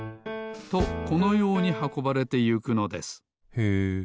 とこのようにはこばれてゆくのですへえ。